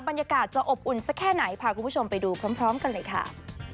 บรรยากาศจะอบอุ่นสักแค่ไหนพาคุณผู้ชมไปดูพร้อมกันเลยค่ะ